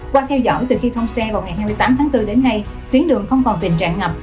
qua theo dõi từ khi thông xe vào ngày hai mươi tám tháng bốn đến nay tuyến đường không còn tình trạng ngập